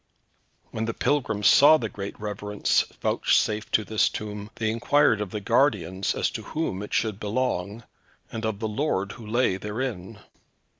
When the pilgrims saw the great reverence vouchsafed to this tomb, they inquired of the guardians as to whom it should belong, and of the lord who lay therein.